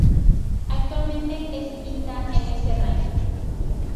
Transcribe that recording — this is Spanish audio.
Actualmente es quinta en ese ranking.